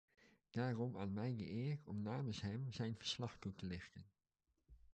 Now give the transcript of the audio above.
Daarom aan mij de eer om namens hem zijn verslag toe te lichten.